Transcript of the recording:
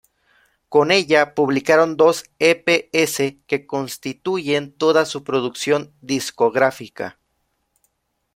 Con ella publicaron dos Ep's que constituyen toda su producción discográfica.